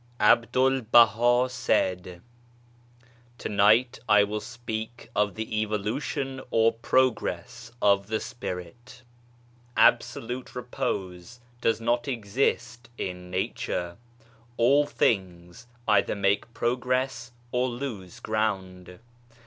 A BDUL BAHA said :*^ To night I will speak of the evolution or progress the spirit. Absolute repose does not exist in Nature. All things either make progress or lose ground.